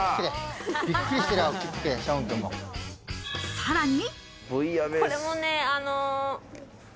さらに。